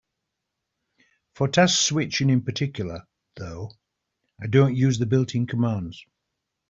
For task switching in particular, though, I don't use the built-in commands.